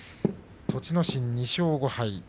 栃ノ心２勝５敗。